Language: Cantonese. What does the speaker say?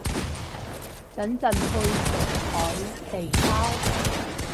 等陣去食海地撈